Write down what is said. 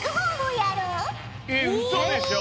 えっうそでしょ？